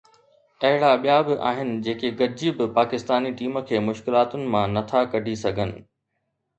اهڙا ٻيا به آهن جيڪي گڏجي به پاڪستاني ٽيم کي مشڪلاتن مان نه ٿا ڪڍي سگهن.